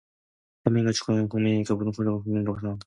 대한민국의 주권은 국민에게 있고, 모든 권력은 국민으로부터 나온다.